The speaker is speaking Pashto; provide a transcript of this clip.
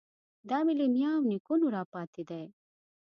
دا مې له نیا او نیکونو راپاتې دی.